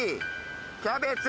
キャベツ。